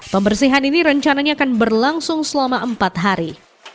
pembersihan ini rencananya akan berlangsung selama empat hari